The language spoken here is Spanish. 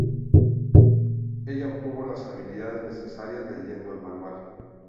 Ella obtuvo las habilidades necesarias leyendo el manual.